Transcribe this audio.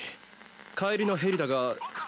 帰りのヘリだが。わ若！